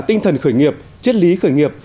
tinh thần khởi nghiệp chất lý khởi nghiệp